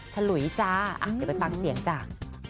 ฉลุยจ้าเดี๋ยวไปฟังเสียงจ้ะ